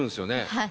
はい。